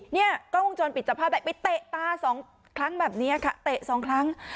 เนี่ยกล้องวงจรปิดจับภาพได้ไปเตะตาสองครั้งแบบนี้ค่ะเตะสองครั้ง